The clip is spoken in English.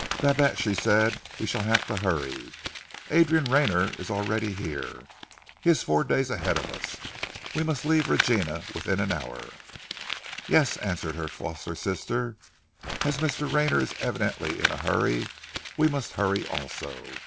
"Babette," she said, "we shall have to hurry. Adrian Rayner is already here. He is four days ahead of us. We must leave Regina within an hour." "Yes," answered her foster sister, "as Mr. Rayner is evidently in a hurry, we must hurry also.